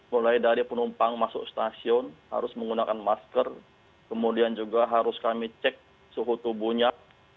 mulai dari penumpang masuk stasiun harus menggunakan masker kemudian juga harus kami cek suhu tubuhnya